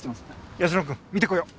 泰乃君見てこよう。